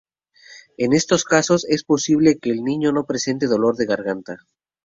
En estos casos, es posible que el niño no presente dolor de garganta.